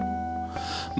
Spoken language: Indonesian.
masih ingin mendengar suaramu